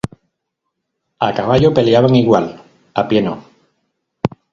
A caballo peleaban igual, a pie no.